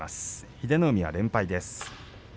英乃海は連敗です。